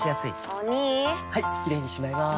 お兄はいキレイにしまいます！